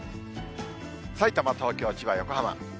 さいたま、東京、千葉、横浜。